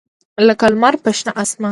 لکه لمر په شنه اسمان